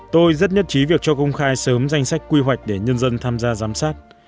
tôi rất nhất trí việc cho công khai sớm danh sách quy hoạch để nhân dân tham gia giám sát